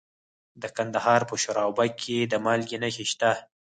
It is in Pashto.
د کندهار په شورابک کې د مالګې نښې شته.